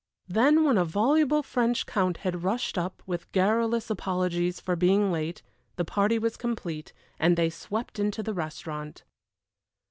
Then when a voluble French count had rushed up, with garrulous apologies for being late, the party was complete, and they swept into the restaurant.